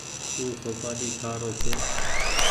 او سوپآري کآ رو ڇي ۔